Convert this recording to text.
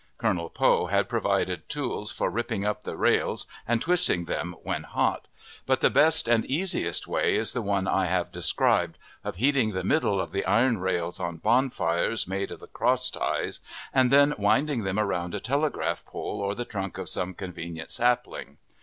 Colonel Poe had provided tools for ripping up the rails and twisting them when hot; but the best and easiest way is the one I have described, of heating the middle of the iron rails on bonfires made of the cross ties, and then winding them around a telegraph pole or the trunk of some convenient sapling.